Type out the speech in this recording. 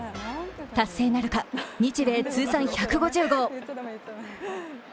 達成なるか、日米通算１５０号。